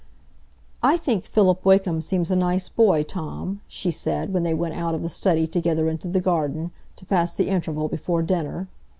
"I think Philip Wakem seems a nice boy, Tom," she said, when they went out of the study together into the garden, to pass the interval before dinner.